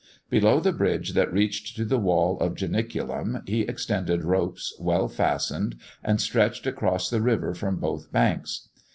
Below the bridge that reached to the wall of Janiculum, he extended ropes, well fastened, and stretched across the river from both banks.